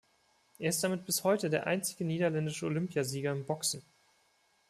Er ist damit bis heute der einzige niederländische Olympiasieger im Boxen.